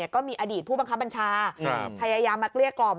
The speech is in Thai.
ก็มีอดีตผู้บังคับบัญชาพยายามมาเกลี้ยกล่อม